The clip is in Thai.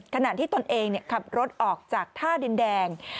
ขณะที่ตนเองขับรถออกจากท่าดินแดง